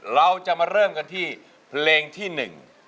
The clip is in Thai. เราจะมาเริ่มกันที่เพลงที่หนึ่ง